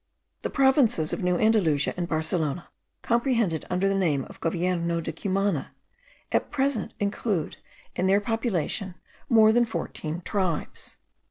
The provinces of New Andalusia and Barcelona, comprehended under the name of Govierno de Cumana, at present include in their population more than fourteen tribes.